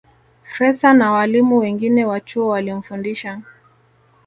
Fraser na walimu wengine wa chuo walimfundisha